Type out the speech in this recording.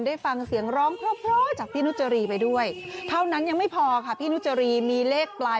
ได้ฟังเสียงร้องเพลอจากพี่นุจรีไปด้วยเท่านั้นยังไม่พอค่ะ